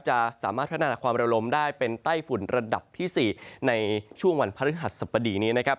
จะสามารถพัฒนาความระลมได้เป็นไต้ฝุ่นระดับที่๔ในช่วงวันพฤหัสสบดีนี้นะครับ